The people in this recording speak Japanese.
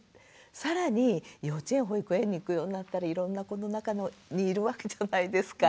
更に幼稚園保育園に行くようになったらいろんな子の中にいるわけじゃないですか。